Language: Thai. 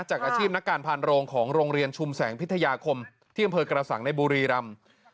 จากอาชีพนักการพานโรงของโรงเรียนชุมแสงพิทยาคมที่อำเภอกระสังในบุรีรำ